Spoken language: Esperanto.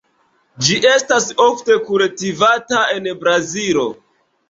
Ĝi estas ofte kultivata en Brazilo.